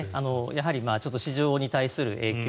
やはり、市場に対する影響